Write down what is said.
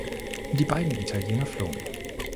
Die beiden Italiener flohen.